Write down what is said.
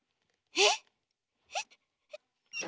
えっ。